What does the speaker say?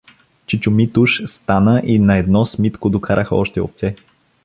Чичо Митуш стана и наедно с Митко докараха още овце.